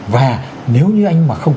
và nếu như anh mà không